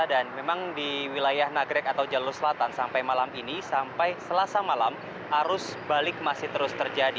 dan memang di wilayah nagrek atau jalur selatan sampai malam ini sampai selasa malam arus balik masih terus terjadi